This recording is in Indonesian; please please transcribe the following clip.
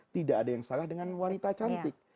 tidak ada yang salah dengan wanita cantik